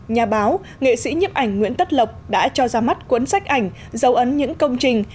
nhà báo nghệ sĩ nhấp ảnh nguyễn tất lộc đã cho ra mắt cuốn sách ảnh dấu ấn những công trình